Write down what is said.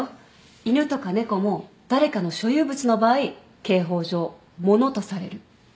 犬とか猫も誰かの所有物の場合刑法上物とされる。